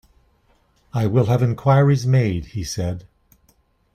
"I will have inquiries made," he said.